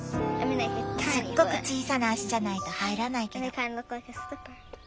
すっごく小さな足じゃないと入らないけど。